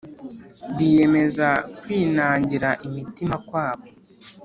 Biyemeza kwinangira imitima kwabo